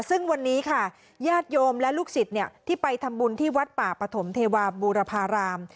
ซึ่งวันนี้ค่ะญาติโยมและลูกศิษย์ที่ไปทำบุญที่วัดป่าปฐมเทวาบูรพาราม